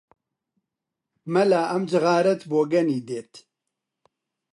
مەلا ئەم جغارەت بۆگەنی دێت!